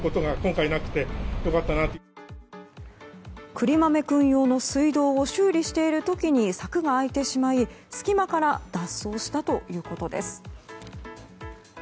くりまめ君用の水道を修理している時に柵が開いてしまい、隙間から脱走したということです。